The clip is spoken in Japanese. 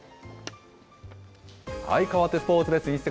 かわってスポーツです。